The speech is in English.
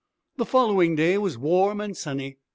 The following day was warm and sunny.